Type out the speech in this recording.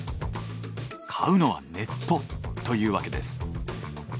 買うのはネットというわけです。